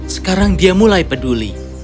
sekarang dia mulai peduli